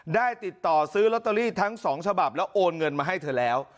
ได้ติดต่อซื้อลอตเตอรี่ทั้ง๒ฉบับแล้วโอนเงินมาให้เธอแล้ว